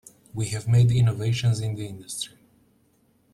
We have made innovations in the industry.